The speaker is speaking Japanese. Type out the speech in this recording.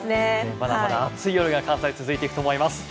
まだまだ熱い戦いが続いていくと思います。